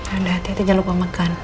ada hati itu jangan lupa makan